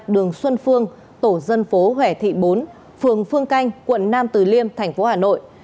một trăm hai mươi ba đường xuân phương tổ dân phố huệ thị bốn phường phương canh quận nam từ liêm thành phố hà nội